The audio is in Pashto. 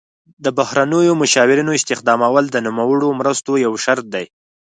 د بهرنیو مشاورینو استخدامول د نوموړو مرستو یو شرط دی.